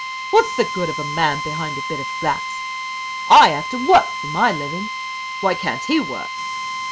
What's the good of a man behind a bit of glass? I have to work for my living. Why can't he work?